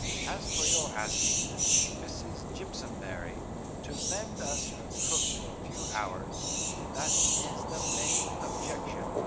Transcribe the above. As for your asking Mrs. Jimpsonberry to lend us her cook for a few hours, that is the main objection.